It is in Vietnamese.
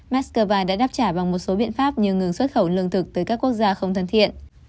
moscow đã đáp trả bằng một số biện pháp như ngừng xuất khẩu lương thực tới các quốc gia không thân thiện